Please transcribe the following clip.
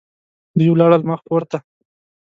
دوی ولاړل مخ پورته.